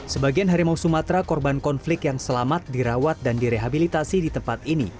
sebagian harimau sumatera korban konflik yang selamat dirawat dan direhabilitasi di tempat ini